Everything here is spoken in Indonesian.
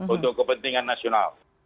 untuk kepentingan nasional